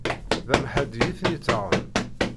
D amḥaddi i tent-ittaɣen.